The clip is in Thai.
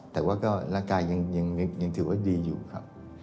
แต่ว่าก็ร่างกายยังถือว่าดีอยู่ครับ